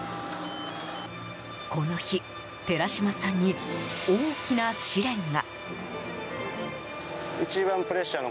この日、寺島さんに大きな試練が。